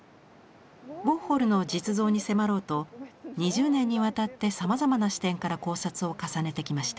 ウォーホルの実像に迫ろうと２０年にわたってさまざまな視点から考察を重ねてきました。